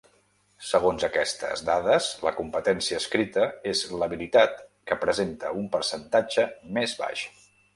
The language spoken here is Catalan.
Segons aquestes dades, la competència escrita és l'habilitat que presenta un percentatge més baix.